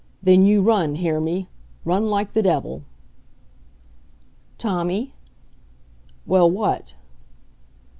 Then you run hear me? Run like the devil " "Tommy " "Well, what?"